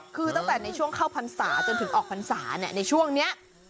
คือตั้งแต่ในช่วงเข้าพรรษาจนถึงออกพรรษาในช่วงนี้